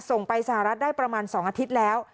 ส่งไปสหรัฐได้ประมาณ๒อาทิตย์แล้ว